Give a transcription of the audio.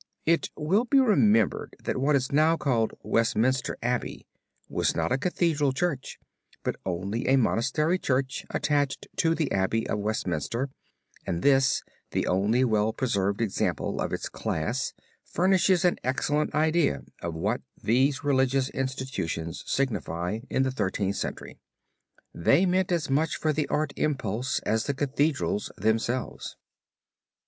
It will be remembered that what is now called Westminster Abbey was not a Cathedral church, but only a monastery church attached to the Abbey of Westminster and this, the only well preserved example of its class furnishes an excellent idea of what these religious institutions signify in the Thirteenth Century. They meant as much for the art impulse as the Cathedrals themselves.